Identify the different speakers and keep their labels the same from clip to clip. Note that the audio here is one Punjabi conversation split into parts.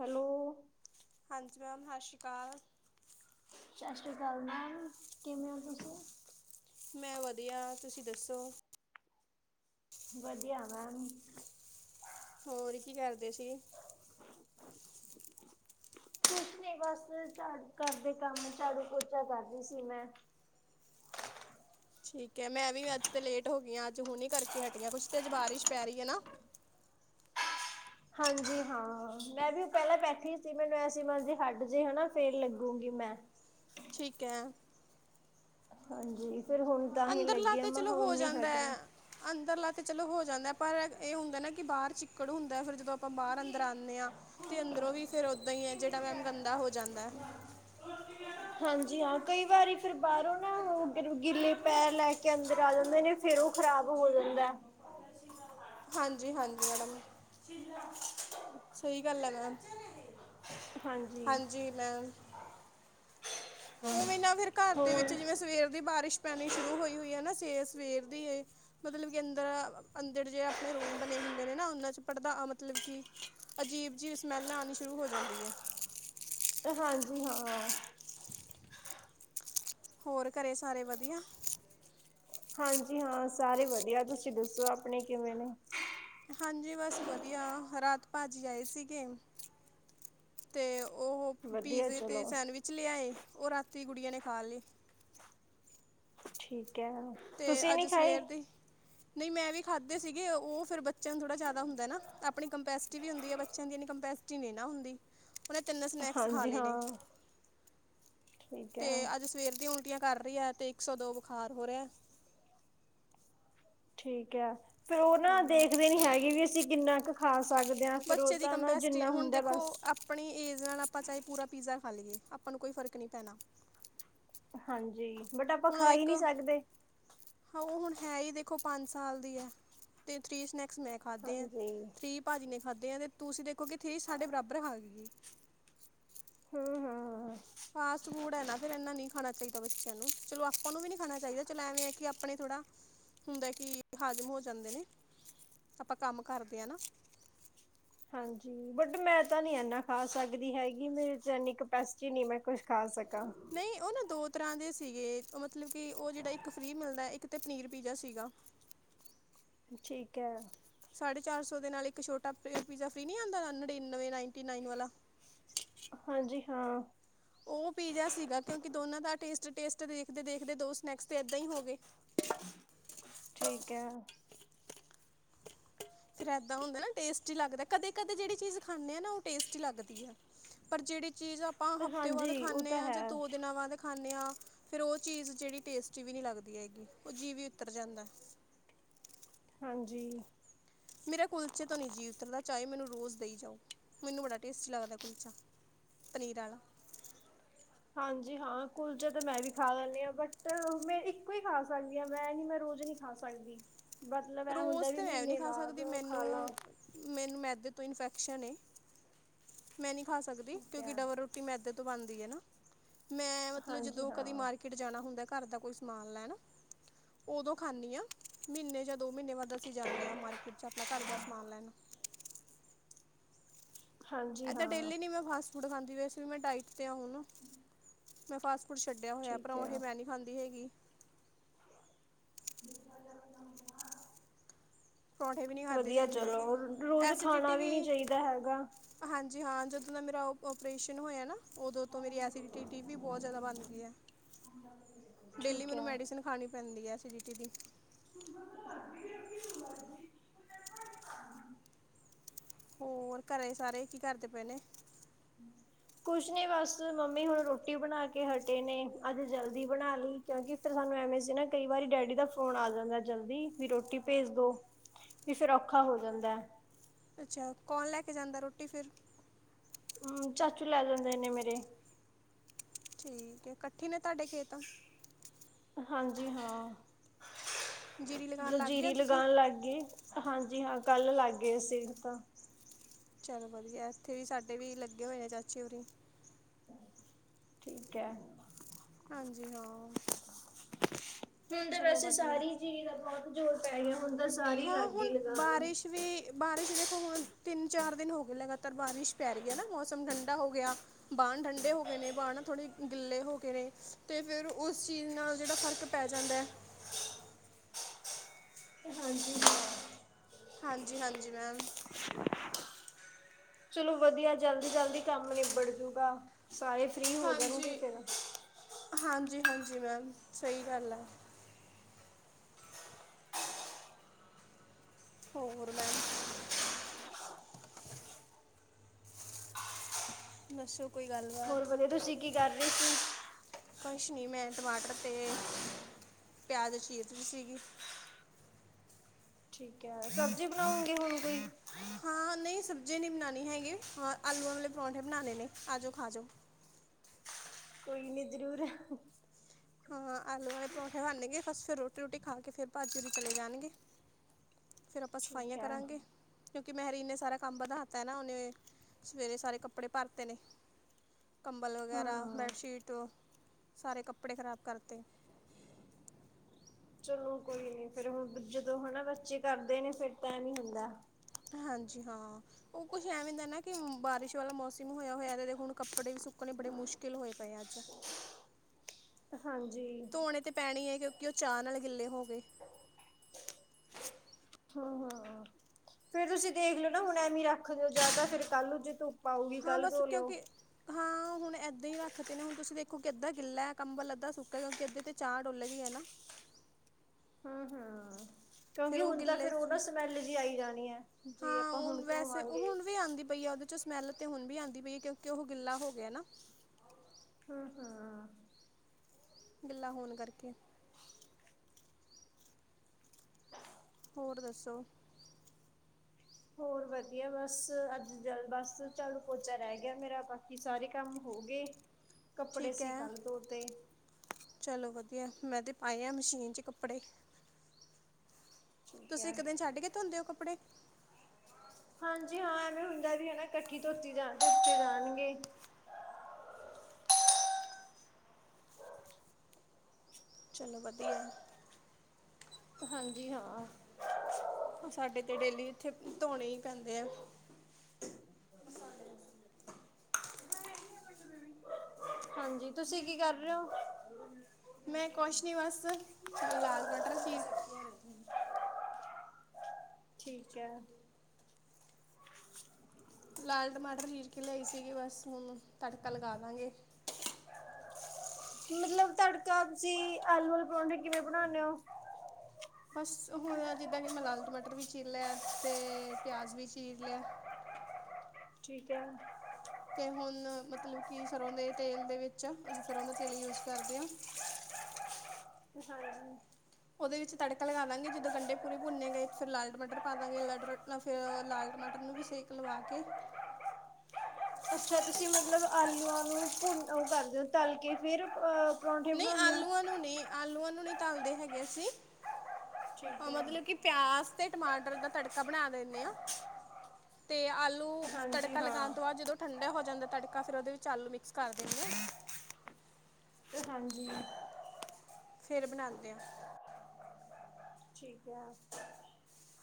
Speaker 1: ਹੈਲੋ
Speaker 2: ਹਾਂਜੀ ਮੈਮ ਸਤਿ ਸ਼੍ਰੀ ਅਕਾਲ।
Speaker 1: ਸਤਿ ਸ਼੍ਰੀ ਅਕਾਲ ਮੈਮ ਕਿਵੇਂ ਹੋ ਤੁਸੀਂ?
Speaker 2: ਮੈਂ ਵਧੀਆ ਤੁਸੀਂ ਦੱਸੋ
Speaker 1: ਵਧੀਆ ਮੈਮ
Speaker 2: ਹੋਰ ਕੀ ਕਰਦੇ ਸੀ?
Speaker 1: ਕੁੱਛ ਨੀ ਬਸ ਝਾੜੂ ਘਰ ਦੇ ਕੰਮ ਝਾੜੂ ਪੋਚਾ ਕਰਦੀ ਸੀ ਮੈਂ।
Speaker 2: ਠੀਕ ਹੈ ਮੈਂ ਵੀ ਅੱਜ ਤੇ ਲੇਟ ਹੋ ਗਈ ਹਾਂ ਅੱਜ ਹੁਣੇ ਹੀ ਕਰਕੇ ਹਟੀ ਹਾ ਕੁੱਛ ਤੇ ਅੱਜ ਬਾਰਿਸ਼ ਪੈ ਰਹੀ ਏ ਨਾ।
Speaker 1: ਹਾਂਜੀ ਹਾਂ ਮੈਂ ਵੀ ਪਹਿਲੇ ਬੈਠੀ ਸੀ ਮੈਨੂੰ ਐਸੀ ਗਾ ਹੱਟ ਜੇ ਹਨਾ ਫੇਰ ਲੱਗੂਗੀ ਮੈਂ
Speaker 2: ਠੀਕ ਹੈ।
Speaker 1: ਹਾਂਜੀ ਫਿਰ ਹੁਣ ਤਾਂ ਹੀ
Speaker 2: ਅੰਦਰ ਲਾ
Speaker 1: ਲੱਗੀ ਆ
Speaker 2: ਤੇ
Speaker 1: ਮੈਂ
Speaker 2: ਚਲੋ ਹੋ
Speaker 1: ਹੁਣ ਨੀ
Speaker 2: ਜਾਂਦਾ
Speaker 1: ਹਟਣਾ
Speaker 2: ਐ। ਅੰਦਰ ਲਾ ਤੇ ਚਲੋ ਹੋ ਜਾਂਦਾ ਹੈ ਪਰ ਇਹ ਹੁੰਦਾ ਨਾ ਕਿ ਬਾਹਰ ਚਿੱਕੜ ਹੁੰਦਾ ਫਿਰ ਜਦੋਂ ਆਪਾਂ ਬਾਹਰ ਅੰਦਰ ਆਨੇ ਆ ਤੇ ਅੰਦਰੋਂ ਵੀ ਫੇਰ ਓਦਾਂ ਹੀ ਹੈ। ਜਿਹੜਾ ਮੈਮ ਗੰਦਾ ਹੋ ਜਾਂਦਾ ਹੈ।
Speaker 1: ਹਾਂਜੀ ਹਾਂ। ਕਈ ਵਾਰੀ ਫੇਰ ਬਾਹਰੋਂ ਨਾ ਉਹ ਗਿੱਲੇ ਪੈਰ ਲੈ ਕੇ। ਕੇ ਅੰਦਰ ਆ ਜਾਂਦੇ ਨੇ। ਫੇਰ ਉਹ ਖ਼ਰਾਬ ਹੋ ਜਾਂਦਾ ਹੈ।
Speaker 2: ਹਾਂਜੀ- ਹਾਂਜੀ ਮੈਡਮ ਸਹੀ ਗੱਲ ਹੈ। ਮੈਮ ਹਾਂਜੀ ਮੈਮ। [unintelligible] ਵੀ ਨਾ ਫਿਰ ਘਰ ਦੇ ਵਿੱਚ ਜਿਵੇਂ
Speaker 1: ਹੋਰ
Speaker 2: ਸਵੇਰ ਦੀ ਬਾਰਿਸ਼ ਪੈਣੀ ਸ਼ੁਰੂ ਹੋਈ ਹੋਈ ਏ ਨਾ। ਸਵੇਰ ਸਵੇਰ ਦੀ ਇਹ ਮਤਲਬ ਕਿ ਅੰਦਰ [unintelligible] ਅੰਦੜ ਜੇ ਆਪਣੇ ਰੂਮ ਬਣੇ ਹੁੰਦੇ ਨੇ। ਨਾ ਉਹਨਾਂ ਚ ਪੜਦਾ ਮਤਲਬ ਕਿ? ਅਜੀਬ ਜੀ‌ ਸਮੈਲ ਆਉਣੀ ਸ਼ੁਰੂ ਹੋ ਜਾਂਦੀ ਹੈ। [inaudible]
Speaker 1: ਹਾਂਜੀ ਹਾਂ।
Speaker 2: ਹੋਰ ਘਰੇ ਸਾਰੇ ਵਧੀਆ।
Speaker 1: ਹਾਂਜੀ ਹਾਂ ਸਾਰੇ ਵਧੀਆ। ਤੁਸੀਂ ਦੱਸੋ ਆਪਣੇ ਕਿਵੇਂ ਨੇ?
Speaker 2: ਹਾਂਜੀ ਬਸ ਵਧੀਆ। ਰਾਤ ਭਾਜੀ ਆਏ ਸੀਗੇ। ਤੇ ਉਹ
Speaker 1: ਵਧੀਆ
Speaker 2: ਪੀਜ਼ੇ ਤੇ
Speaker 1: ਚਲੋ
Speaker 2: ਸੈਂਡਵਿਚ ਲਿਆਏ। ਉਹ ਰਾਤੀ ਗੁੜੀਆ ਨੇ ਖਾ ਲਏ।
Speaker 1: ਠੀਕ ਹੈ।
Speaker 2: ਤੇ
Speaker 1: ਤੁਸੀਂ
Speaker 2: ਅੱਜ
Speaker 1: ਨੀ ਖਾਏ
Speaker 2: ਸਵੇਰ ਦੀ। ਨਹੀਂ ਮੈਂ ਵੀ ਖਾਦੇ ਸੀਗੇ ਉਹ ਫੇਰ ਬੱਚਿਆਂ ਨੂੰ ਥੋੜ੍ਹਾ ਜ਼ਿਆਦਾ ਹੁੰਦਾ ਹੈ ਨਾ। ਆਪਣੀ ਕਂਮਪੈਸਿਟੀ ਵੀ ਹੁੰਦੀ ਆ ਬੱਚਿਆਂ ਦੀ ਏਨੀ ਕਂਮਪੈਸਿਟੀ। [unintelligible] ਨੀਂ ਨਾ ਹੁੰਦੀ। ਉਹਨੇ ਤਿੰਨੇ ਸਨੈਕਸ ਖਾ
Speaker 1: ਹਾਂਜੀ
Speaker 2: ਲਏ ਨੇ।
Speaker 1: ਹਾਂ ਠੀਕ
Speaker 2: ਤੇ
Speaker 1: ਹੈ
Speaker 2: ਅੱਜ ਸਵੇਰ ਦੇ ਉਲਟੀਆ ਕਰ ਰਹੀ ਹੈ। ਤੇ ਇੱਕ ਸੌ ਦੋ ਬੁਖਾਰ ਹੋ ਰਿਹਾ।
Speaker 1: ਠੀਕ ਹੈ। ਫੇਰ ਉਹ
Speaker 2: ਹਾਂ
Speaker 1: ਨਾ ਦੇਖਦੇ ਨੀ ਹੈਗੇ ਵੀ ਅਸੀਂ ਕਿੰਨਾ ਕ ਖਾ ਸਾਕਦੇ ਹਾਂ। ਫੇਰ ਉਹ
Speaker 2: ਬੱਚੇ ਦੀ
Speaker 1: ਤਾਂ ਨਾ
Speaker 2: ਕੰਪੈਸਿਟੀ
Speaker 1: ਜਿੰਨਾ
Speaker 2: ਹੁਣ
Speaker 1: ਹੁੰਦਾ।
Speaker 2: ਦੇਖੋ
Speaker 1: ਬਸ
Speaker 2: ਆਪਣੀ ਏਜ ਨਾਲ ਆਪਾਂ ਚਾਹੇ ਪੂਰਾ ਪੀਜ਼ਾ ਖਾ ਲਈਏ। ਆਪਾਂ ਨੂੰ ਕੋਈ ਫਰਕ ਨਹੀਂ ਪੈਣਾ।
Speaker 1: ਹਾਂਜੀ। ਬਟ ਆਪਾਂ
Speaker 2: ਹੁਣ ਉਹ
Speaker 1: ਖਾ ਹੀ
Speaker 2: ਇੱਕ।
Speaker 1: ਨਹੀਂ ਸਕਦੇ
Speaker 2: ਹਾਂ ਉਹ ਹੁਣ ਹੈ ਹੀ ਦੇਖੋ ਪੰਜ ਸਾਲ ਦੀ ਹੈ। ਤੇ ਥ੍ਰਰੀ ਸਨੈਕਸ ਮੈ। ਖਾਧੇ ਆ
Speaker 1: ਹਾਂਜੀ
Speaker 2: ਥ੍ਰੀ ਭਾਜੀ ਨੇ ਖਾਧੇ ਆ। ਤੇ ਤੁਸੀਂ ਦੇਖੋ ਕਿ ਥ੍ਰੀ ਸਾਡੇ ਬਰਾਬਰ ਖਾ ਗੀ ਏ।
Speaker 1: ਹਮ ਹਮ।
Speaker 2: ਫਾਸਟ ਫੂਡ ਹੈ ਨਾ। ਫੇਰ ਇਨਾ ਨਹੀਂ ਖਾਣਾ ਚਾਹੀਦਾ ਬੱਚਾ। ਨੂੰ ਚਲੋ ਆਪਾਂ ਨੂੰ ਵੀ ਨੀ ਖਾਣਾ ਚਾਹੀਦਾ। ਚਲੋ ਐਵੇਂ ਹੈ ਕਿ ਆਪਣੇ ਥੋੜਾ ਹੁੰਦਾ ਕਿ ਹਾਜ਼ਮ ਹੋ ਜਾਂਦੇ ਨੇ। ਆਪਾਂ ਕੰਮ ਕਰਦੇ ਆਂ ਨਾ।
Speaker 1: ਹਾਂਜੀ। ਬਟ ਮੈਂ ਤਾਂ ਨੀ ਏਨਾ ਖਾ ਸਕਦੀ ਹੈਗੀ ਮੇਰੇ ਚ ਏਨੀ ਕਪੈਸਿਟੀ ਨਹੀਂ। ਮੈਂ ਕੁਛ ਖਾ ਸਕਾਂ।
Speaker 2: ਨਹੀਂ। ਉਹ ਨਾ ਦੋ ਤਰ੍ਹਾਂ ਦੇ ਸੀਗੇ। ਮਤਲਬ ਕਿ ਉਹ ਜਿਹੜਾ ਇੱਕ ਫਰੀ ਮਿਲਦਾ ਇੱਕ ਤੇ ਪਨੀਰ ਪੀਜ਼ਾ ਸੀਗਾ।
Speaker 1: ਠੀਕ ਹੈ।
Speaker 2: ਸਾਢੇ ਚਾਰ ਸੌ ਦੇ ਨਾਲ ਇੱਕ ਛੋਟਾ ਪੀਜ਼ਾ ਫ੍ਰੀ ਨੀ ਆਉਂਦਾ। ਨੜਿਨਵੇਂ ਨਾਈਨਟੀ ਨਾਈਨ ਵਾਲਾ।
Speaker 1: ਹਾਂਜੀ ਹਾਂ।
Speaker 2: ਉਹ ਪੀਜ਼ਾ ਸੀਗਾ ਕਿਉਂਕਿ ਦੋਨਾਂ ਦਾ ਟੇਸਟ- ਟੇਸਟ ਦੇਖਦੇ -ਦੇਖਦੇ ਦੋ ਸਨੈਕਸ ਤੇ ਇਏਦਾਂ ਹੀ ਹੋ ਗਏ।
Speaker 1: ਠੀਕ ਹੈ।
Speaker 2: ਫਰੈਦਾ ਹੁੰਦਾ ਨਾ ਟਸਟੀ ਲੱਗਦਾ ਕਦੇ- ਕਦੇ ਜਿਹੜੀ ਚੀਜ਼ ਖਾਂਦੇ ਆ। ਨਾ ਟੇਸਟੀ ਲੱਗਦੀ ਹੈ। ਪਰ ਜਿਹੜੀ ਚੀਜ਼ ਆਪਾਂ ਹਫ਼ਤੇ ਬਾਅਦ
Speaker 1: ਹਾਂਜੀ ਉਹ
Speaker 2: ਖਾਂਦੇ
Speaker 1: ਤਾਂ
Speaker 2: ਆਂ। ਜਾਂ
Speaker 1: ਹੈ
Speaker 2: ਦੋ ਦਿਨਾਂ ਬਾਅਦ ਖਾਂਦੇ ਹਾਂ। ਫੇਰ ਉਹ ਚੀਜ਼ ਜਿਹੜੀ ਟੇਸਟੀ ਵੀ ਨਹੀਂ ਲੱਗਦੀ। ਹੈਗੀ ਉਹ ਜੀਅ ਵੀ ਉਤਰ ਜਾਂਦਾ।
Speaker 1: ਹਾਂਜੀ।
Speaker 2: ਮੇਰਾ ਕੁਲਚੇ ਤੋਂ ਨਹੀਂ ਜੀਅ ਉਤਰਦਾ। ਚਾਹਏ ਮੈਨੂੰ ਰੋਜ਼ ਦੇਈ ਜਾਓ। ਮੈਨੂੰ ਬੜਾ ਟੇਸਟੀ ਲੱਗਦਾ 'ਕੁਲਚਾ। ਪਨੀਰ ਆਲਾ।
Speaker 1: ਹਾਂਜੀ ਹਾਂ। ਕੁਲਚਾ ਤਾਂ ਮੈਂ ਵੀ ਖਾ ਲੈਂਦੀ ਹਾਂ। ਬਟ ਮੈਂ ਇੱਕੋ ਹੀ ਖਾ ਸਕਦੀ ਹਾਂ। ਮੈਂ ਨੀ ਮੈਂ ਰੋਜ਼ ਨੀ। ਖਾ ਸਕਦੀ। ਮਤਲਬ ਇਹ ਹੁੰਦਾ
Speaker 2: ਰੋਜ਼
Speaker 1: ਵੀ
Speaker 2: ਤੇ ਮੈਂ ਨਹੀਂ
Speaker 1: ਮਹੀਨੇ
Speaker 2: ਖਾ
Speaker 1: ਬਾਅਦ
Speaker 2: ਸਕਦੀ
Speaker 1: ਖਾ
Speaker 2: ਮੈਨੂੰ
Speaker 1: ਲਾ।
Speaker 2: ਮੈਨੂੰ ਮੈਦੇ ਤੋਂ ਇਨਫੈਕਸ਼ਨ ਏ ਮੈਂ ਨਹੀਂ ਖਾ ਸਕਦੀ।
Speaker 1: ਠੀਕ
Speaker 2: ਕਿਉਂਕਿ
Speaker 1: ਹੈ
Speaker 2: ਡਬਲ ਰੋਟੀ ਮੈਂਦੇ ਤੋਂ ਬਣਦੀ ਨਾ ਮੈਂ ਮਤਲਬ
Speaker 1: ਹਾਂਜੀ
Speaker 2: ਜਦੋਂ ਕਦੀ
Speaker 1: ਹਾਂ
Speaker 2: ਮਾਰਕੀਟ ਕੇ ਜਾਣਾ ਹੁੰਦਾ। ਘਰ ਦਾ ਕੋਈ ਸਮਾਨ ਲੈਣ ਉਦੋਂ ਖਾਨੀ ਆ ਮਹੀਨੇ ਜਾਂ ਦੋ ਮਹੀਨੇ ਬਾਅਦ। ਅਸੀਂ ਜਾਂਦੇ ਹਾਂ ਮਾਰਕੀਟ ਚ ਆਪਣਾ ਘਰ ਦਾ ਸਮਾਨ ਲੈਣਾ।
Speaker 1: ਹਾਂਜੀ
Speaker 2: ਏਦਾਂ
Speaker 1: ਹਾਂ
Speaker 2: ਡੇਲੀ ਨੀ ਮੈਂ ਫਸ ਫੂਡ ਖਾਂਦੀ ਵੈਸ ਵੀ ਮੈਂ ਡਾਇਟ 'ਤੇ ਆ ਹੁਨ, ਨਾ ਮੈਂ ਫਾਸਟ ਕੁਛ ਛੱਡਿਆ ਹੋਇਆ
Speaker 1: ਠੀਕ ਹੈ
Speaker 2: ਪਰੌਂਠੇ ਮੈਂ ਨੀ ਖਾਂਦੀ ਹੈਗੀ।
Speaker 1: [unintelligible]
Speaker 2: ਪਰੌਂਠੇ ਵੀ ਨਹੀਂ ਖਾਧੇ
Speaker 1: ਵਧੀਆ
Speaker 2: ਜਾਂਦੇ ਹੈਗੇ
Speaker 1: ਚਲੋ ਰੋਜ਼ ਖਾਣਾ ਵੀ ਨਹੀਂ ਚਾਹੀਦਾ ਹੈਗਾ।
Speaker 2: ਹਾਂਜੀ ਹਾਂ ਜਦੋਂ ਦਾ ਮੇਰਾ ਓ ਓਪਰੇਸ਼ਨ ਹੋਇਆ ਨਾ ਉਦੋਂ ਤੋਂ ਮੇਰੀ ਐਸੀਡੀ ਟੀ ਵੀ ਬਹੁਤ ਜਿਆਦਾ ਬਣਦੀ ਹੈ, ਡੇਲੀ
Speaker 1: ਠੀਕ
Speaker 2: ਮੈਨੂੰ
Speaker 1: ਹੈ
Speaker 2: ਮੈਡੀਸਨ ਖਾਣੀ ਪੈਂਦੀ ਹੈ ਐਸੀਡਿਟੀ ਦੀ।
Speaker 1: [unintelligible]
Speaker 2: ਹੋਰ ਘਰੇ ਸਾਰੇ ਕੀ ਕਰਦੇ ਪਏ ਨੇ? [unintelligible]
Speaker 1: ਕੁਛ ਨੀ ਬਸ ਮੰਮੀ ਹੁਣ ਰੋਟੀ ਬਣਾ ਕੇ ਹਟੇ ਨੇ ਅੱਜ ਜਲਦੀ ਬਣਾ ਲਈ। ਕਿਉਂਕਿ ਫਿਰ ਸਾਨੂੰ ਐਵੇਂ ਸੀ ਨਾ ਕਈ ਵਾਰੀ ਡੈਡੀ ਦਾ ਫੋਨ ਆ ਜਾਂਦਾ ਜਲਦੀ ਵੀ ਰੋਟੀ ਭੇਜ ਦੋ। ਵੀ ਫਿਰ ਔਖਾ ਹੋ ਜਾਂਦਾ।
Speaker 2: ਅੱਛਾ ਕੌਣ ਲੈ ਕੇ ਜਾਂਦਾ ਰੋਟੀ ਫਿਰ?
Speaker 1: ਹੂੰ ਚਾਚੂ ਲੈ ਜਾਂਦੇ ਨੇ ਮੇਰੇ।
Speaker 2: ਠੀਕ ਹੈ ਇਕੱਠੇ ਨੇ ਤੁਹਾਡੇ ਖੇਤ?
Speaker 1: ਹਾਂਜੀ ਹਾਂ,
Speaker 2: ਜੀਰੀ ਲਗਾਉਣ
Speaker 1: ਮਤਲਬ
Speaker 2: ਲੱਗ ਗਏ ਹੋ
Speaker 1: ਜੀਰੀ
Speaker 2: ਤੁਸੀਂ
Speaker 1: ਲਗਾਨ ਲੱਗ ਗਏ। ਹਾਂਜੀ ਹਾਂ ਕੱਲ ਲੱਗ ਗਏ ਅਸੀਂ ਤਾਂ।
Speaker 2: ਚਲੋ ਵਧੀਆ ਇੱਥੇ ਵੀ ਸਾਡੇ ਵੀ ਲੱਗੇ ਹੋਏ ਨੇ ਚਾਚੇ ਉਰੀ।
Speaker 1: ਠੀਕ ਹੈ।
Speaker 2: ਹਾਂਜੀ ਹਾਂ।
Speaker 1: ਹੁਣ ਤਾਂ
Speaker 2: ਚਲੋ
Speaker 1: ਵੈਸੇ
Speaker 2: ਵਧੀਆ
Speaker 1: ਸਾਰੀ ਚੀਜ਼ ਦਾ ਬਹੁਤ ਜ਼ੋਰ ਪੈ ਗਿਆ ਹੁਣ ਤਾਂ ਸਾਰੇ ਹੀ
Speaker 2: ਹਾਂ
Speaker 1: ਲੱਗਗੇ
Speaker 2: ਹੁਣ
Speaker 1: ਲਗਾਣ।
Speaker 2: ਬਾਰਿਸ਼ ਵੀ ਬਾਰਿਸ਼ ਦੇਖੋ ਹੁਣ ਤਿੰਨ-ਚਾਰ ਦਿਨ ਹੋ ਗਏ ਲਗਾਤਾਰ ਬਾਰਿਸ਼ ਪੈ ਰਹੀ ਹੈ ਨਾ ਮੌਸਮ ਠੰਡਾ ਹੋ ਗਿਆ। ਬਾਣ ਠੰਡੇ ਹੋ ਗਏ ਨੇ ਬਾਣ ਥੋੜੇ ਗਿੱਲੇ ਹੋ ਗਏ ਨੇ, ਤੇ ਫੇਰ ਉਸ ਚੀਜ਼ ਨਾਲ ਜਿਹੜਾ ਫਰਕ ਪੈ ਜਾਂਦਾ।
Speaker 1: ਹਾਂਜੀ
Speaker 2: ਹਾਂਜੀ-ਹਾਂਜੀ ਮੈਮ।
Speaker 1: ਚਲੋ ਵਧੀਆ ਜਲਦੀ-ਜਲਦੀ ਕੰਮ ਨਿਬੜ ਜੂਗਾ, ਸਾਰੇ ਫ੍ਰਰੀ ਹੋ ਜਾਣਗੇ
Speaker 2: ਹਾਂਜੀ,
Speaker 1: ਫਿਰ
Speaker 2: ਹਾਂਜੀ-ਹਾਂਜੀ ਮੈਮ ਸਹੀ ਗੱਲ ਹੈ। ਹੋਰ ਮੈਮ ਦੱਸੋ? ਕੋਈ ਗੱਲ-ਬਾਤ?
Speaker 1: ਹੋਰ ਵਧੀਆ ਤੁਸੀਂ ਕੀ ਕਰ ਰਹੇ ਸੀ?
Speaker 2: ਕੁਛ ਨਹੀਂ ਮੈਂ ਟਮਾਟਰ ਤੇ, ਪਿਆਜ਼ ਚੀਰ ਰਹੀ ਸੀਗੀ।
Speaker 1: ਠੀਕ ਹੈ ਸਬਜ਼ੀ ਬਣਾਉਗੀ ਹੁਣ ਕੋਈ?
Speaker 2: ਹਾਂ ਨਹੀਂ ਸਬਜ਼ੀ ਨਹੀਂ ਬਣਾਉਣੀ ਹੈਗੀ, ਆਲੂਆਂ ਵਾਲੇ ਪਰੌਂਠੇ ਬਣਾਉਣੇ ਨੇ, ਆ ਜਾਓ ਖਾ ਜੋ।
Speaker 1: ਕੋਈ ਨੀ ਜ਼ਰੂਰ।
Speaker 2: ਹਾਂ ਆਲੂ ਵਾਲੇ ਪਰੌਂਠੇ ਬਨਣਗੇ ਬਸ ਫਿਰ ਰੋਟੀ-ਰੂਟੀ ਖਾ ਕੇ ਫਿਰ ਭਾਜੀ ਹੋਰੀ ਚਲੇ ਜਾਣਗੇ। ਫਿਰ ਆਪਾਂ
Speaker 1: ਠੀਕ
Speaker 2: ਸਫਾਈਆਂ
Speaker 1: ਹੈ
Speaker 2: ਕਰਾਂਗੇ। ਕਿਉਂਕਿ ਮਹਿਰੀਨ ਨੇ ਸਾਰਾ ਕੰਮ ਵਧਾ ਤਾ ਨਾ ਉਹਨੇ, ਸਵੇਰੇ ਸਾਰੇ ਕੱਪੜੇ ਭਰਤੇ ਨੇ। ਕੰਬਲ ਵਗੈਰਾ
Speaker 1: ਹਾਂ।
Speaker 2: ਬੈਡ ਸ਼ੀਟ, ਸਾਰੇ ਕੱਪੜੇ ਖ਼ਰਾਬ ਕਰਤੇ।
Speaker 1: ਚਲੋ ਕੋਈ ਨੀ ਫੇਰ ਹੁਣ ਜਦੋਂ ਹਨਾ ਬੱਚੇ ਕਰਦੇ ਨੇ ਫੇਰ ਤਾਂ ਐਵੇਂ ਹੁੰਦਾ।
Speaker 2: ਹਾਂਜੀ ਹਾਂ। ਉਹ ਕੁਛ ਐਵੇ ਹੁੰਦਾ ਨਾ ਕਿ ਬਾਰਿਸ਼ ਵਾਲਾ ਮੌਸਮ ਹੋਇਆ ਹੋਇਆ ਹੁਣ ਕੱਪੜੇ ਵੀ ਸੁੱਕਣੇ ਬੜੇ ਮੁਸ਼ਕਿਲ ਹੋਏ ਪਏ ਆ ਅੱਜ।
Speaker 1: ਹਾਂਜੀ।
Speaker 2: ਧੋਣੇ ਤੇ ਪੈਣੀ ਹੈ ਕਿਉਂਕਿ ਉਹ ਚਾਹ ਨਾਲ ਗਿੱਲੇ ਹੋ ਗਏ।
Speaker 1: ਹਾਂ-ਹਾਂ ਫੇਰ ਤੁਸੀਂ ਦੇਖ ਲਓ ਨਾ ਹੁਣ ਐਵੇਂ ਰੱਖ ਦਿਉ ਜਾ ਤਾਂ ਫੇਰ ਕੱਲ ਜੇ ਧੁੱਪ ਧੁੱਪ ਆਉਗੀ
Speaker 2: ਹਾਂ
Speaker 1: ਕੱਲ੍ਹ
Speaker 2: ਬਸ
Speaker 1: ਧੋ ਲਿਉ।
Speaker 2: ਕਿਉਂਕਿ ਹਾਂ ਹੁਣੇ ਏਦਾਂ ਹੀ ਰੱਖ ਤੇ ਨੇ, ਹੁਣ ਤੁਸੀਂ ਦੇਖੋ ਕਿ ਅੱਧਾ ਗਿੱਲਾ ਹੈ ਕੰਬਲ, ਅੱਧਾ ਸੁੱਕਾ ਹੈ। ਕਿਉਂਕਿ ਅੱਧੇ ਤੇ ਚਾਹ ਡੁੱਲ ਗਈ ਹੈ ਨਾ।
Speaker 1: ਹੂੰ- ਹੂੰ,
Speaker 2: ਫਿਰ
Speaker 1: ਕਿਉਂਕਿ
Speaker 2: ਉਹ
Speaker 1: ਹੁਣ ਤਾਂ
Speaker 2: ਗਿੱਲੇ
Speaker 1: ਫਿਰ
Speaker 2: 'ਚ
Speaker 1: ਉਹ ਨਾ
Speaker 2: ਵੀ
Speaker 1: ਸਮੈਲ ਜਿਹੀ ਆਈ ਜਾਣੀ ਹੈ ਜੀ।
Speaker 2: ਹਾਂ ਹੁਣ ਵੈਸੇ ਉਹ ਹੁਣ ਵੀ ਆਉਂਦੀ ਪਈ ਹੈ। ਉਹਦੇ ਚੋਂ ਸਮੈਲ ਤੇ ਹੁਣ ਵੀ ਆਂਉਦੀ ਪਈ ਹੈ। ਕਿਉਂਕਿ ਉਹ ਗਿੱਲਾ ਹੋ ਗਿਆ ਨਾ।
Speaker 1: ਹੂੰ ਹੂੰ।
Speaker 2: ਗਿੱਲਾ ਹੋਣ ਕਰਕੇ। ਹੋਰ ਦੱਸੋ।
Speaker 1: ਹੋਰ ਵਧੀਆ ਬਸ ਅੱਜ ਜਲ ਬਸ ਝਾੜੂ ਪੋਚਾ ਰਹਿ ਗਿਆ ਮੇਰਾ, ਬਾਕੀ ਸਾਰੇ ਕੰਮ ਹੋ ਗਏ।
Speaker 2: [inaudible]
Speaker 1: ਕੱਪੜੇ ਅਸੀ
Speaker 2: ਹੈ
Speaker 1: ਕੱਲ ਧੋਤੇ।
Speaker 2: ਚਲੋ ਵਧੀਆ, ਮੈਂ ਤੇ ਪਾਏ ਆ ਮਸ਼ੀਨ 'ਚ ਕੱਪੜੇ।
Speaker 1: ਠੀਕ
Speaker 2: ਤੁਸੀਂ
Speaker 1: ਹੈ
Speaker 2: ਇੱਕ ਦਿਨ ਛੱਡ ਕੇ ਧੋਂਦੇ ਹੋ ਕੱਪੜੇ।
Speaker 1: ਹਾਂਜੀ ਹਾਂ ਐਵੇਂ ਹੁੰਦਾ ਵੀ, ਹਨਾ ਇਕੱਠੀ ਧੋਤੀ ਜਾ ਧੋਤੇ ਜਾਣਗੇ।
Speaker 2: ਚਲੋ ਵਧੀਆ।
Speaker 1: ਹਾਂਜੀ ਹਾਂ। [inaudible]
Speaker 2: ਸਾਡੇ ਤੇ ਡੇਲੀ, ਇੱਥੇ ਧੋਣੇ ਹੀ ਪੈਂਦੇ ਹੈ। ਮਸਾਲੇ ਵਿੱਚ।
Speaker 1: ਹਾਂਜੀ, ਤੁਸੀਂ ਕੀ ਕਰ ਰਹੇ ਹੋ।
Speaker 2: ਮੈਂ ਕੁਛ ਨਹੀਂ ਬਸ, ਲਾਲ ਬਟਰ ਚੀਜ਼
Speaker 1: [inaudible] ਠੀਕ ਹੈ।
Speaker 2: ਲਾਲ ਟਮਾਟਰ ਲੀਰ ਕੇ ਲਿਆਏ ਸੀਗੇ ਬਸ ਹੁਣ ਤੜਕਾ ਲਗਾ ਦਾਂਗੇ।
Speaker 1: ਮਤਲਬ ਤੜਕਾ ਤੁਸੀਂ, ਆਲੂ ਵਾਲੇ ਪਰੋਂਠੇ ਕਿਵੇਂ ਬਣਾਉਣੇ ਔ?
Speaker 2: ਬਸ ਹੋਰ ਜਿੱਦਾਂ ਕਿ ਮੈਂ ਲਾਲ ਟਮਾਟਰ ਵੀ ਚੀਰ ਲਿਆ। ਤੇ ਪਿਆਜ਼ ਵੀ ਚੀਰ ਲਿਆ।
Speaker 1: ਠੀਕ ਹੈ।
Speaker 2: ਤੇ ਹੁਣ, ਮਤਲਬ ਕਿ ਸਰ੍ਹੋਂ ਦੇ ਤੇਲ ਦੇ ਵਿੱਚ, ਅਸੀਂ ਸਰ੍ਹੋਂ ਦਾ ਤੇਲ ਯੂਜ ਕਰਦੇ ਹਾਂ।
Speaker 1: ਅੱਛਾ ਜੀ।
Speaker 2: ਉਹਦੇ ਵਿੱਚ ਤੜਕਾ ਲਗਾ ਦਾਂਗੇ ਜਦੋਂ ਗੰਡੇ ਪੂਰੀ ਭੁੰਨੇ ਗਏ ਫਿਰ ਲਾਲ ਟਮਾਟਰ ਪਾ ਦਵਾਂਗੇ, ਫਿਰ ਲਾਲ ਟਮਾਟਰ। ਇਹਨੂੰ ਵੀ ਸੇਕ ਲਵਾ ਕੇ।
Speaker 1: ਅੱਛਾ ਤੁਸੀਂ ਮਤਲਬ ਆਲੂਆਂ ਨੂੰ ਭੁੰਨ ਉਹ ਕਰਦੇ ਹੋ ਤਲ ਕੇ ਫੇਰ ਅਹ।
Speaker 2: ਨਹੀਂ ਆਲੂਆਂ ਨੂੰ ਨਹੀਂ ਆਲੂਆਂ ਨੂੰ ਨਹੀਂ ਤਲਦੇ ਹੈਗੇ ਅਸੀ,
Speaker 1: ਠੀਕ
Speaker 2: ਹਾਂ
Speaker 1: ਹੈ
Speaker 2: ਮਤਲਬ ਕਿ। ਪਿਆਜ਼ ਤੇ ਟਮਾਟਰ ਦਾ ਤੜਕਾ ਬਣਾ ਦਿੰਦੇ ਹਾਂ। ਤੇ ਆਲੂ
Speaker 1: ਹਾਂਜੀ
Speaker 2: ਤੜਕਾ ਲਗਾਉਣ
Speaker 1: ਹਾਂ
Speaker 2: ਤੋਂ ਬਾਅਦ ਜਦੋਂ ਠੰਡਾ ਹੋ ਜਾਂਦਾ ਤੜਕਾ ਫੇਰ ਉਹਦੇ ਵਿੱਚ ਆਲੂ ਮਿਕਸ ਕਰ ਦਿੰਦੇ ਆਂ।
Speaker 1: ਤੇ ਹਾਂਜੀ।
Speaker 2: ਫਿਰ ਬਣਾਉਂਦੇ ਹਾਂ।
Speaker 1: ਠੀਕ ਹੈ।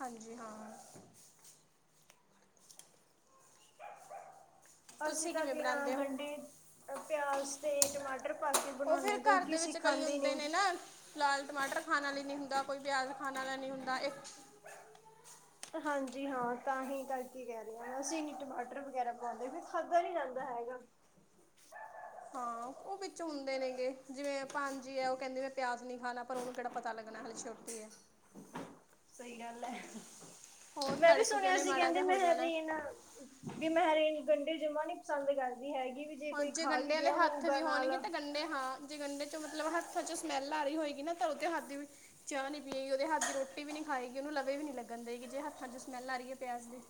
Speaker 2: ਹਾਂਜੀ, ਹਾਂ।
Speaker 1: ਅਸੀਂ
Speaker 2: ਤੁਸੀਂ
Speaker 1: ਤਾਂ
Speaker 2: ਕਿਵੇਂ
Speaker 1: ਬਿਨਾ
Speaker 2: ਬਣਾਉਂਦੇ ਹੋ
Speaker 1: ਗੰਡੇ ਪਿਆਜ ਤੇ ਟਮਾਟਰ ਪਾਕੇ
Speaker 2: ਉਹ
Speaker 1: ਬਣਾਉਂਣੇ
Speaker 2: ਫਿਰ
Speaker 1: ਆ,
Speaker 2: ਘਰ
Speaker 1: ਕਿਉਂਕਿ
Speaker 2: ਦੇ
Speaker 1: ਅਸੀਂ
Speaker 2: ਵਿੱਚ ਕਈ
Speaker 1: ਖਾਂਦੇ
Speaker 2: ਹੁੰਦੇ
Speaker 1: ਨਹੀਂ।
Speaker 2: ਨੇ ਨਾ ਲਾਲ ਟਮਾਟਰ ਖਾਣ ਵਾਲੇ ਨੀ ਹੁੰਦਾ, ਕੋਈ ਪਿਆਜ ਖਾਣ ਵਾਲਾ ਨੀ ਹੁੰਦਾ ਇਹ
Speaker 1: ਹਾਂਜੀ ਹਾਂ ਤਾਂ ਹੀ ਕਰਕੇ ਕਹਿ ਰਹੇ ਹਾਂ, ਅਸੀਂ ਟਮਾਟਰ ਵਗੈਰਾ ਪਾਉਂਦੇ ਫਿਰ ਖਾਧਾ ਨੀ ਜਾਂਦਾ ਹੈਗਾ।
Speaker 2: ਹਾਂ, ਉਹ ਵਿੱਚੋਂ ਹੁੰਦੇ ਨੇ ਗਏ। ਜਿਵੇਂ ਭਾਂਜੀ ਆ ਉਹ ਕਹਿੰਦੇ ਮੈਂ ਪਿਆਜ ਨੀ ਖਾਣਾ ਪਰ ਉਹਨੂੰ ਕਿਹੜਾ ਪਤਾ ਲੱਗਣਾ ਹਲੇ ਛੋਟੀ ਹੈ।
Speaker 1: ਸਹੀ ਗੱਲ ਹੈ,
Speaker 2: ਹੋਰ
Speaker 1: ਮੈਂ ਵੀ
Speaker 2: ਤੜਕ ਕੇ
Speaker 1: ਸੁਣਿਆ
Speaker 2: ਉਹਨੇ
Speaker 1: ਸੀ
Speaker 2: ਮਾੜਾ
Speaker 1: ਕਹਿੰਦੇ
Speaker 2: ਜਿਹਾ ਹੋ ਜਾਣਾ
Speaker 1: ਮਹਿਰੀਨ ਵੀ ਮਹਿਰੀਨ ਗੰਡੇ ਜਮਾ ਨੀ ਪਸੰਦ ਕਰਦੀ ਹੈਗੀ ਵੀ ਜੇ ਕੋਈ
Speaker 2: ਉੰਝ
Speaker 1: ਖਾ
Speaker 2: ਗੰਡੇ
Speaker 1: ਵੀ
Speaker 2: ਵਾਲੇ
Speaker 1: ਰਿਹਾ
Speaker 2: ਹੱਥ
Speaker 1: ਹੋਊਗਾ
Speaker 2: ਵੀ
Speaker 1: ਨਾਲ
Speaker 2: ਹੋਣਗੇ ਤਾਂ ਗੰਡੇ ਹਾਂ ਗੰਢੇ ਚ ਮਤਲਬ ਹੱਥਾਂ ਚੋਂ ਸਮੈਲ ਆ ਰਹੀ ਹੋਏਗੀ ਨਾ ਤਾਂ ਉਹ ਹੱਥ ਦੀ ਵੀ ਚਾਹ ਨੀ ਪੀਏਗੀ ਉਹਦੇ ਹੱਥ ਰੋਟੀ ਵੀ ਨੀ ਖਾਏਗੀ ਉਹਨੂੰ ਲਵੇ ਵੀ ਨੀ ਲੱਗ ਦੇਗੀ ਜੇ ਹੱਥਾਂ ਚ ਸਮੈਲ ਆ ਰਹੀ ਹੈ ਪਿਆਜ਼ ਦੀ।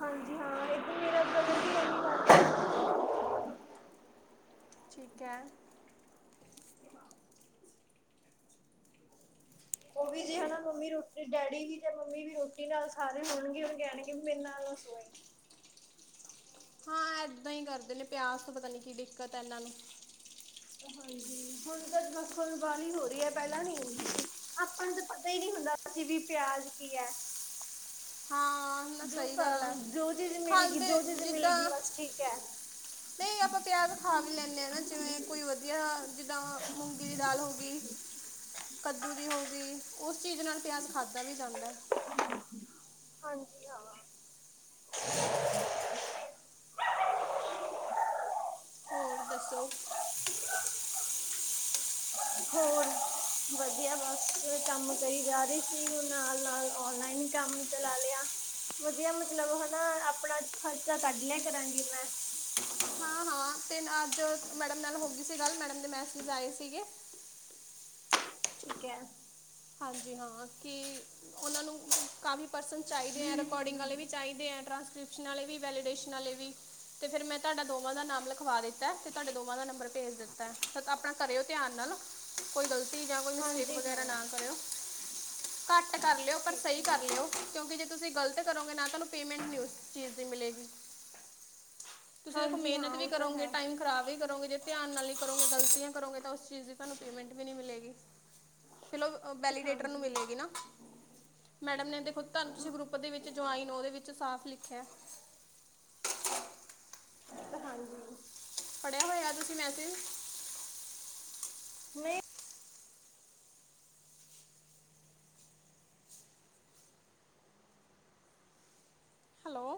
Speaker 1: ਹਾਂਜੀ ਹਾਂ ਇਧ ਮੇਰਾ ਗ ਹੈ [unintelligible]
Speaker 2: ਠੀਕ ਹੈ।
Speaker 1: ਉਹ ਵੀ ਜੇ ਹਨਾ ਮੰਮੀ ਰੋਟੀ ਡੈਡੀ ਵੀ ਤੇ ਮੰਮੀ ਵੀ ਰੋਟੀ ਨਾਲ ਸਾਰੇ ਹੋਣਗੇ ਕਹਿਣਗੇ ਮੇਰੇ ਨਾਲ ਨਾ ਸੋਇ
Speaker 2: ਹਾਂ ਏਦਾਂ ਹੀ ਕਰਦੇ ਨੇ ਪਿਆਸ ਤੋਂ ਪਤਾ ਨੀ ਕੀ ਦਿੱਕਤ ਹੈ ਇਹਨਾਂ ਨੂੰ।
Speaker 1: ਹਾਂਜੀ ਹੁਣ ਤਾਂ ਜਫਲ ਬਾਹਲੀ ਹੋ ਰਹੀ ਹੈ ਪਹਿਲਾਂ ਨੀ ਹੁੰਦੀ ਸੀ ਆਪਾਂ ਨੂੰ ਤਾਂ ਪਤਾ ਹੀ ਨਹੀਂ ਹੁੰਦਾ ਸੀ ਵੀ ਪਿਆਜ ਕੀ ਹੈ।
Speaker 2: [unintelligible] ਹਾਂ ਨਾ
Speaker 1: ਜੋ
Speaker 2: ਸਹੀ
Speaker 1: ਫ
Speaker 2: ਗੱਲ ਹੈ
Speaker 1: ਜੋ ਚੀਜ਼ ਮਿਲ ਗਈ
Speaker 2: ਖਾਂਦੇ
Speaker 1: ਜੋ ਚੀਜ਼ ਮਿਲ ਗਈ
Speaker 2: ਜਿੱਦਾਂ
Speaker 1: ਬਸ ਠੀਕ ਹੈ।
Speaker 2: ਨਹੀਂ ਆਪਾਂ ਪਿਆਜ਼ ਖਾ ਵੀ ਲੈਂਦੇ ਹ ਨਾ ਜਿਵੇਂ ਕੋਈ ਵਧੀਆ ਜਿੱਦਾਂ ਮੂੰਗੀ ਦੀ ਦਾਲ ਹੋ ਗਈ ਕੱਦੂ ਦੀ ਹੋ ਗਈ ਉਸ ਚੀਜ਼ ਨਾਲ ਪਿਆਜ ਖਾਧਾ ਵੀ ਜਾਂਦਾ।
Speaker 1: ਹਾਂਜੀ ਹਾਂ। [inaudible]
Speaker 2: ਹੋਰ ਦੱਸੋ?
Speaker 1: ਹੋਰ। ਵਧੀਆ ਬਸ ਕੰਮ ਕਰੀ ਜਾ ਰਹੀ ਸੀ ਹੁਣ ਨਾਲ ਨਾਲ ਔਨਲਾਈਨ ਕੰਮ ਚਲਾ ਲਿਆ। ਵਧੀਆ ਮਤਲਬ ਹੁਣ ਆਪਣਾ ਖਰਚਾ ਕੱਢ ਲਿਆ ਕਰਾਂਗੀ ਮੈਂ।
Speaker 2: ਹਾਂ ਹਾਂ। ਤਿੰਨ ਅੱਜ ਮੈਡਮ ਨਾਲ ਹੋ ਗਈ ਸੀ ਗੱਲ ਮੈਡਮ ਦੇ ਮੈਸਜ ਆਏ ਸੀਗੇ
Speaker 1: ਠੀਕ ਹੈ।
Speaker 2: ਹਾਂਜੀ, ਹਾਂ ਕਿ ਉਹਨਾਂ ਨੂੰ ਕਾਫ਼ੀ। ਪਰਸਨ ਚਾਹੀਦੇ ਐ, ਰਿਕਕਾਰੋਡਿੰਗ
Speaker 1: ਹੈ।
Speaker 2: ਵਾਲੇ ਵੀ ਚਾਹੀਦੇ ਐ, ਟਰਾਂਸ ਵੈਲੀਡੇਸ਼ਨ ਵਾਲੇ ਵੀ ਤੇ ਫਿਰ ਮੈਂ ਤੁਹਾਡਾ ਦੋਵਾਂ ਦਾ ਨਾਮ ਲਿਖਵਾ ਦਿ ਕੀਤਾ ਤੇ ਤੁਹਾਡੇ ਦੋਵਾਂ ਦਾ ਨੰਬਰ ਭੇਜ ਦਿੱਤਾ, ਆਪਣਾ ਕਰਿਓ ਧਿਆਨ ਨਾਲ, ਕੋਈ ਗਲਤ ਜਾਂ ਕੋਈ ਮਿਸਟੇਕ
Speaker 1: ਹਾਂਜੀ
Speaker 2: ਵਗੈਰਾ
Speaker 1: ਹਾਂ
Speaker 2: ਨਾ ਕਰਿਓ। ਘੱਟ ਕਰ ਲਿਓ ਪਰ
Speaker 1: ਠੀਕ
Speaker 2: ਸਹੀ
Speaker 1: ਹੈ।
Speaker 2: ਕਰ ਲਿਓ ਕਿਉਂਕਿ ਜੇ ਤੁਸੀਂ ਗ਼ਲਤ ਕਰੋਗੇ ਨਾ ਤੁਹਾਨੂੰ ਪੇਮੈਂਟ ਨਹੀਂ ਚੀਜ਼ ਦੀ ਮਿਲੇਗੀ, ਤੁਸੀਂ ਦੇਖੋ
Speaker 1: ਹਾਂਜੀ
Speaker 2: ਮਿਹਨਤ
Speaker 1: ਹਾਂ
Speaker 2: ਵੀ
Speaker 1: ਉਹ ਤਾਂ
Speaker 2: ਕਰੋਗੇ
Speaker 1: ਹੈ
Speaker 2: ਟਾਈਮ ਖ਼ਰਾਬ ਹੀ ਕਰੋਗੇ ਜੇ ਧਿਆਨ ਨਾਲ ਹੀ ਕਰੋਗੇ ਗਲਤੀਆਂ ਕਰੋਗੇ ਤਾਂ ਉਸ ਚੀਜ਼ ਦੀ ਤੁਹਾਨੂੰ ਪੇਮੈਂਟ ਵੀ ਨਹੀਂ ਮਿਲੇਗੀ। ਫਲੋ ਵੈਲੀਡੇਟਰ ਨੂੰ
Speaker 1: ਹਾਂਜੀ
Speaker 2: ਮਿਲੇਗੀ ਨਾ ਮੈਡਮ ਨੇ ਦੇਖੁ ਤੁਹਾਨੂੰ ਤੁਸੀ ਗਰੁੱਪ ਓਦੇ ਵਿਚ ਜੁਆਇਨ ਉਹਦੇ ਵਿੱਚ ਸਾਫ਼ ਲਿਖਿਆ
Speaker 1: ਹਾਂਜੀ।
Speaker 2: ਪੜਿਆ ਹੋਇਆ ਤੁਸੀਂ ਮੈਸੇਜ? [inaudible]
Speaker 1: ਨਹੀਂ
Speaker 2: ਹੈਲੋ।